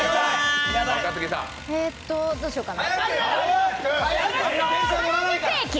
えーっと、どうしようかな。